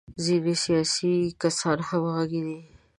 ځینې سیاسي کسان هم همغږي دي.